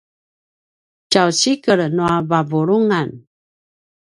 tjaucikel nua vavulungan